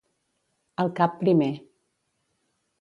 Al cap primer.